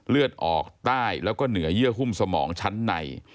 เลือดออกใต้แล้วก็เหนือเยื่อหุ้มสมองชั้นใน